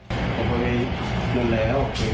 โอเคหมดแล้ว